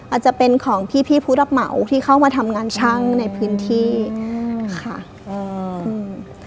อาจจะเป็นของพี่พี่ผู้รับเหมาที่เข้ามาทำงานช่างในพื้นที่อืมค่ะอืม